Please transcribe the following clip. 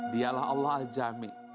dialah allah al jami